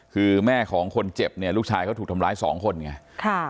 คือแม่ของคนเจ็บเนี่ยลูกชายเขาถูกทำร้ายสองคนไง